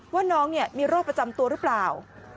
ว่าน้องมีโรคประจำตัวหรือเปล่า